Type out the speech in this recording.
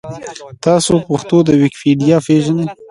تاسو پښتو ویکیپېډیا پېژنۍ؟